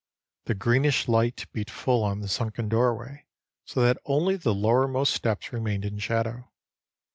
The greenish light beat full on the sunken doorway, so that only the lowermost steps remained in shadow.